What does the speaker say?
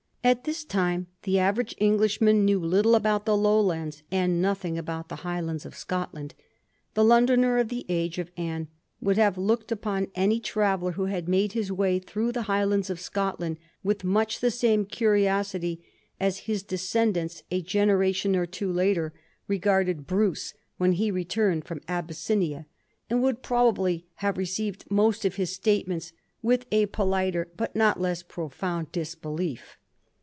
At this time the average Englishman knew little about the Lowlands and nothing about the Highlands of Scotland. The Londoner of the age of Anne would have looked upon any traveller who had made his way through the Highlands of Scotland with much the same curiosity as his de scendants a generation or two later regarded Bruce^ Digiti zed by Google 1714 LOWLAND AGRICULTURE. 115 when he returned from Abyssinia, and would pro bably have received most of his statements with a politer but not less profound disbelief.